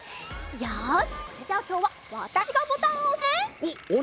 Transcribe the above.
よしじゃあきょうはわたしがボタンをおすね！